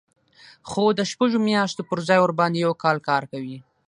خو د شپږو میاشتو پر ځای ورباندې یو کال کار کوي